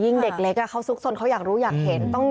ยิ่งเด็กเล็กเค้าทรุงสนอยากรู้อยากเห็น